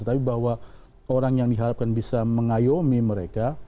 tapi bahwa orang yang diharapkan bisa mengayomi mereka